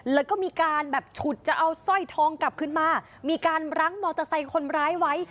แล้วก็มีการแบบฉุดจะเอาสร้อยทองกลับขึ้นมามีการรั้งมอเตอร์ไซค์คนร้ายไว้